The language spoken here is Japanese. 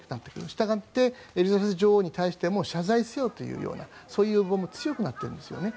したがってエリザベス女王に対しても謝罪せよというそういう要望も強くなってるんですね。